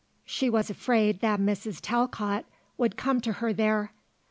She was afraid that Mrs. Talcott would come to her there.